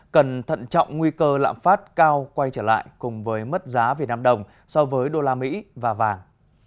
cần thận trọng nguy cơ lạm phát cao quay trở lại cùng với mất giá việt nam đồng so với đô la mỹ và vàng